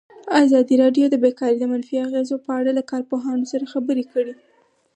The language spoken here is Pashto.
ازادي راډیو د بیکاري د منفي اغېزو په اړه له کارپوهانو سره خبرې کړي.